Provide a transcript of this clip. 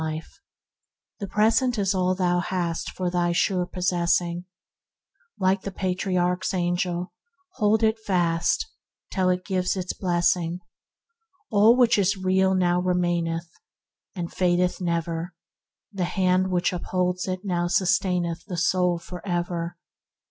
"The Present, the Present is all thou hast For thy sure possessing; Like the patriarch's angel, hold it fast, Till it gives its blessing. ... "All which is real now remaineth, And fadeth never; The hand which upholds it now sustaineth The soul for ever.